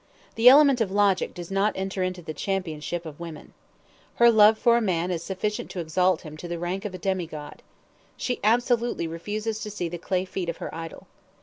The element of logic does not enter into the championship of woman. Her love for a man is sufficient to exalt him to the rank of a demi god. She absolutely refuses to see the clay feet of her idol.